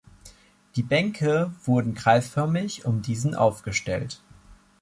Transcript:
Die Bänke wurden kreisförmig um diesen aufgestellt.